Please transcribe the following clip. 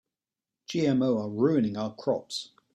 GMO are ruining our crops.